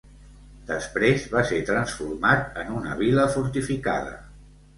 Després va ser transformat en una vila fortificada.